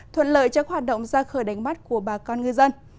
thuận lợi cho hoạt động ra khởi đánh mắt của bà con người dân